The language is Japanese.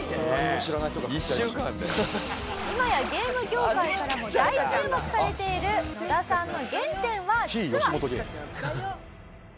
今やゲーム業界からも大注目されている野田さんの原点は実は。